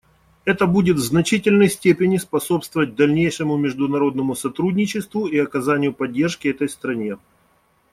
Это будет в значительной степени способствовать дальнейшему международному сотрудничеству и оказанию поддержки этой стране.